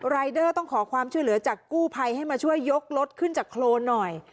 รายเดอร์ต้องขอความช่วยเหลือจากกู้ภัยให้มาช่วยยกรถขึ้นจากโครนหน่อย